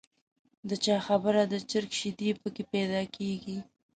د چا خبره د چرګ شیدې په کې پیدا کېږي.